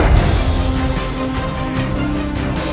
kau akan menang